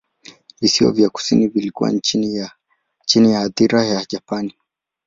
Visiwa vya kusini vilikuwa chini ya athira ya Japani.